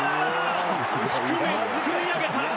低め、すくい上げた！